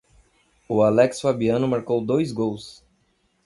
O Alex Fabiano marcou dois gols.